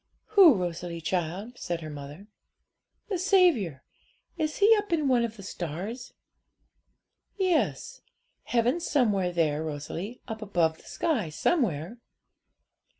'Who, Rosalie, child?' said her mother. 'The Saviour; is He up in one of the stars?' 'Yes; heaven's somewhere there, Rosalie; up above the sky somewhere.'